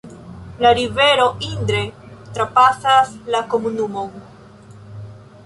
La rivero Indre trapasas la komunumon.